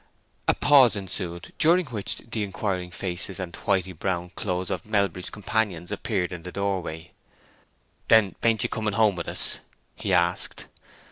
A pause ensued, during which the inquiring faces and whity brown clothes of Melbury's companions appeared in the door way. "Then bain't you coming home with us?" he asked.